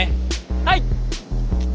はい！